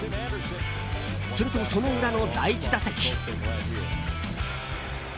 すると、その裏の第１打席。